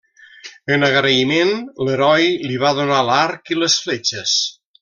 En agraïment, l'heroi li va donar l'arc i les fletxes.